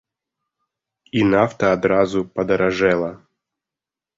І нафта адразу падаражэла.